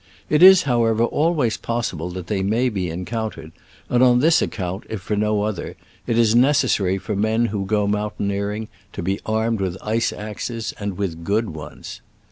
It is, however, always pos sible that they may be encountered, and on this account, if for no other, it is ne cessar)' for men who go mountaineering to be armed with ice axes, and with good ones.